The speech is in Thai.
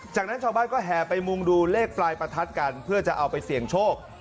จากนั้นชาวบ้านก็แห่ไปมุงดูเลขปลายประทัดกันเพื่อจะเอาไปเสี่ยงโชค